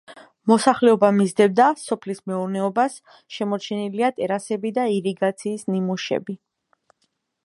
მოსახლეობა მისდევდა სოფლის მეურნეობას, შემორჩენილია ტერასები და ირიგაციის ნიმუშები.